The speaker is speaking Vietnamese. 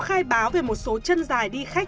khai báo về một số chân dài đi khách